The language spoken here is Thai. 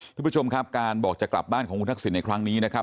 ทุกผู้ชมครับการบอกจะกลับบ้านของคุณทักษิณในครั้งนี้นะครับ